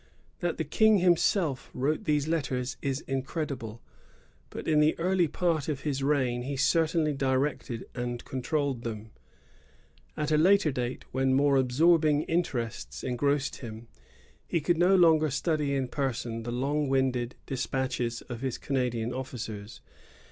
That the King himself wrote these letters is incredible; but in the early part of his reign he certainly directed and controlled them. At a later time, when more absorbing inter ests engrossed him, he could no longer study in person the long winded despatches of his Canadian officers.